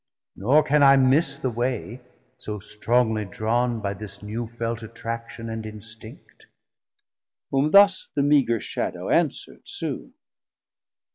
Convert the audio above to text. Nor can I miss the way, so strongly drawn By this new felt attraction and instinct. Whom thus the meager Shadow answerd soon.